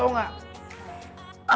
aduh berhenti mulu